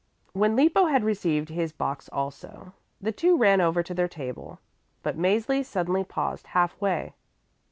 When Lippo had received his box also, the two ran over to their table, but Mäzli suddenly paused half way.